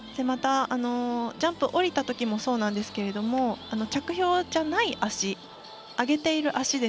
また、ジャンプを降りたときもそうなんですけれども着氷じゃない足、上げている足。